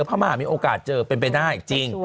พาหม่าจะมีโอกาสเจอเป็นไปน่าจริง